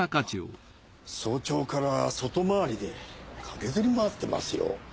早朝から外回りで駆けずり回ってますよ。